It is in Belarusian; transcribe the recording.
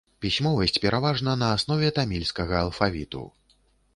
Пісьмовасць пераважна на аснове тамільскага алфавіту.